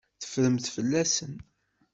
Teffremt fell-asen.